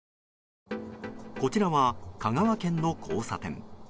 こちらは香川県の交差点。